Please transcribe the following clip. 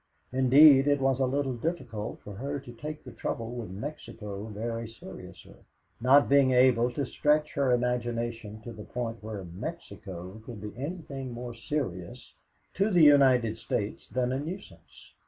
Indeed, it was a little difficult for her to take the trouble with Mexico very seriously, not being able to stretch her imagination to the point where Mexico could be anything more serious to the United States than a nuisance.